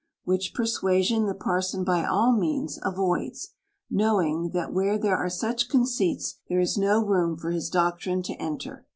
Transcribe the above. Which persua sion the parson by all means avoids ; knowing that, where there are such conceits, there is no room for his doctrine to enter.